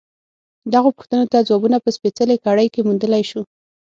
دغو پوښتنو ته ځوابونه په سپېڅلې کړۍ کې موندلای شو.